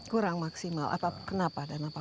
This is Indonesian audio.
kurang maksimal kenapa dan apa